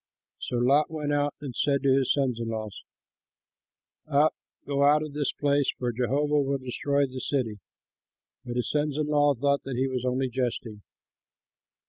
So Lot went out and said to his sons in law, "Up, go out of this place, for Jehovah will destroy the city." But his sons in law thought he was only jesting.